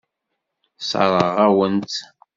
Sseṛɣeɣ-awen-tt.